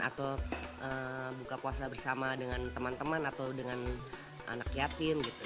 atau buka puasa bersama dengan teman teman atau dengan anak yatim gitu